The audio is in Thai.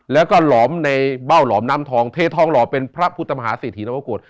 แล้วก็หลอมในเบ้าหลอมน้ำทองเททองหล่อเป็นพระพุทธมหาเศรษฐีนวกฏ